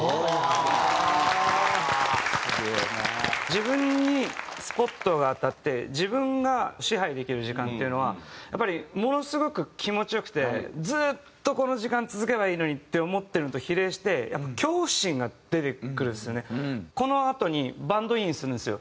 自分にスポットが当たって自分が支配できる時間っていうのはやっぱりものすごく気持ち良くてずっとこの時間続けばいいのにって思ってるのと比例してやっぱこのあとにバンドインするんですよ。